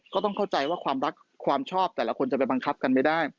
เข้าใจว่าความรักความชอบแต่ละคนจะไปบังคับกันไม่ได้